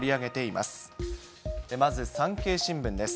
まず産経新聞です。